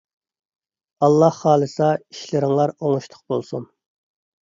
ئاللاھ خالىسا ئىشلىرىڭلار ئوڭۇشلۇق بولسۇن!